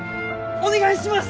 お願いします！